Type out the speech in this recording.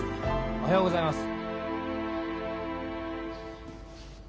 おはようございます。